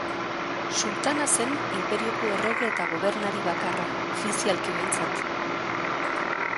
Sultana zen inperioko errege eta gobernari bakarra, ofizialki behintzat.